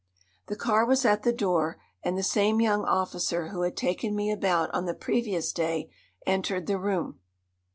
The car was at the door, and the same young officer who had taken me about on the previous day entered the room.